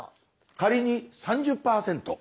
仮に３０％。